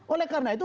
oleh karena itu